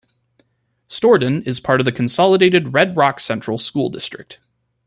Storden is part of the consolidated Red Rock Central School District.